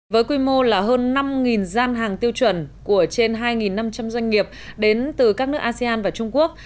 với quy mô là hơn năm gian hàng tiêu chuẩn của trên hai năm trăm linh doanh nghiệp đến từ các nước asean và trung quốc